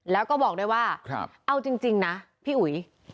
แล้วก็บอกด้วยว่าเอาจริงนะพี่อุ๋ย